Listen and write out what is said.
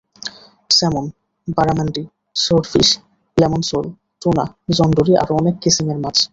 Salmon, barramundi, sword fish, lemon sole, tuna, John Dory আরও অনেক কিসিমের মাছ।